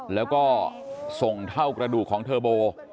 แล้วก็ส่งเท่ากระดูกของเทอร์โบ